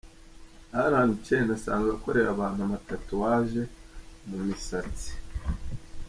Alan Chen asanzwe akorera abantu amatatuwaje mu misatsi.